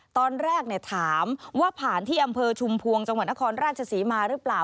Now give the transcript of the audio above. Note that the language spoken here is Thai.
ตอนแรกถามว่าผ่านที่อำเภอชุมพวงจังหวัดนครราชศรีมาหรือเปล่า